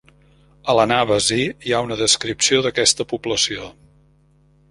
A l'Anàbasi hi ha una descripció d'aquesta població.